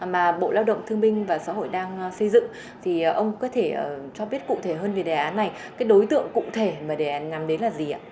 mà bộ lao động thương minh và xã hội đang xây dựng thì ông có thể cho biết cụ thể hơn về đề án này cái đối tượng cụ thể mà đề án đến là gì ạ